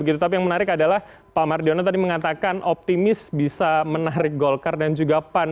tapi yang menarik adalah pak mardiono tadi mengatakan optimis bisa menarik golkar dan juga pan